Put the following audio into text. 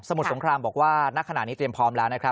มุดสงครามบอกว่าณขณะนี้เตรียมพร้อมแล้วนะครับ